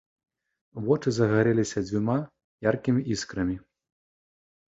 Вочы загарэліся дзвюма яркімі іскрамі.